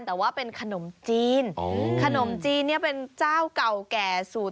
แต่ว่าเป็นขนมจีนขนมจีนเนี่ยเป็นเจ้าเก่าแก่สูตร